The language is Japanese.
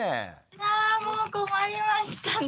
あもう困りましたね。